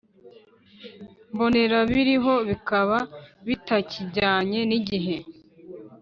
mbonera biriho bikaba bitakijyanye n igihe